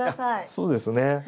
そうですね。